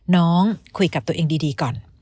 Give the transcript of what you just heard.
น้องคุยกับตัวเองดีก่อน